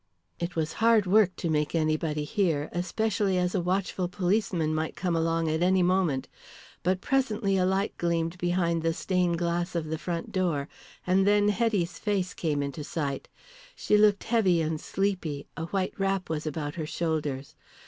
It was hard work to make anybody hear, especially as a watchful policeman might come along at any moment. But presently a light gleamed behind the stained glass of the front door, and then Hetty's face came into sight. She looked heavy and sleepy, a white wrap was about her shoulders.